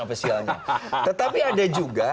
ofisialnya tetapi ada juga